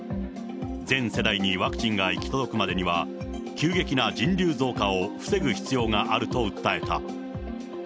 全世代にワクチンが行き届くまでには、急激な人流増加を防ぐ必要があると訴えた。